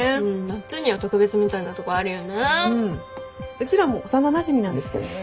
うちらも幼なじみなんですけどね。